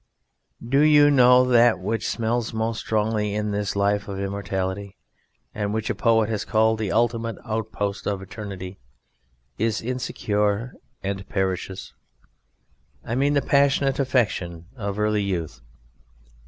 Do you know that that which smells most strongly in this life of immortality, and which a poet has called "the ultimate outpost of eternity," is insecure and perishes? I mean the passionate affection of early youth.